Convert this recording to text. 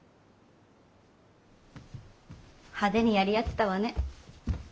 派手にやり合ってたわね。